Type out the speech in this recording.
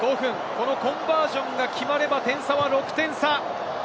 このコンバージョンが決まれば、点差は６点差。